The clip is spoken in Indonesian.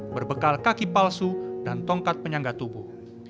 berbekal kaki palsu dan tongkat penyangga tubuh